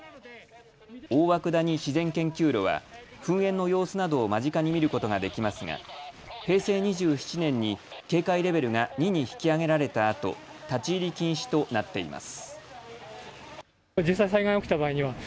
大涌谷自然研究路は噴煙の様子などを間近に見ることができますが平成２７年に警戒レベルが２に引き上げられたあと立ち入り禁止となっています。